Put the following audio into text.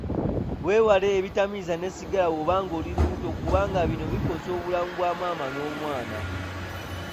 Weewale ebitamiiza ne sigala bw'oba ng'oli lubuto kubanga bino bikosa obulamu bwa maama n'omwana.